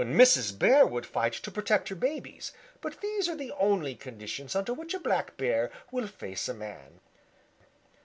Mrs. Bear would fight to protect her babies, but these are the only conditions under which a Black Bear will face a man.